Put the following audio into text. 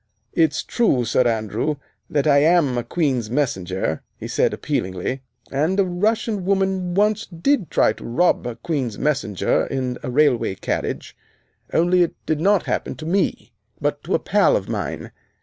"It's true, Sir Andrew, that I am a Queen's Messenger," he said appealingly, "and a Russian woman once did try to rob a Queen's Messenger in a railway carriage only it did not happen to me, but to a pal of mine.